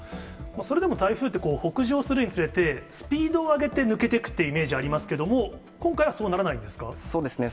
それでも台風って、北上するにつれて、スピードを上げて抜けていくっていうイメージありますけれども、そうですね。